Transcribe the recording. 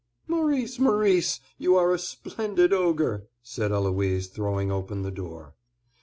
"Maurice, Maurice, you are a splendid ogre!" said Eloise, throwing open the door.